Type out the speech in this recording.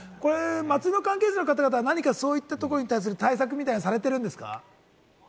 祭の関係者の方は、そういったところの対策はされてるんですか？